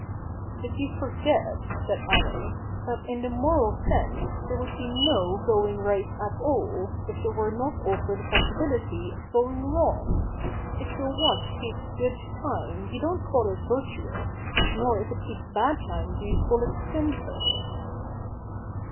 ' But you forget,' said Allen, ' that in the moral sense there would be no going right at all, if there were not also the possibility of going wrong. If your watch keeps good time you don't call it virtuous, nor if it keeps bad time do you call it sinful.'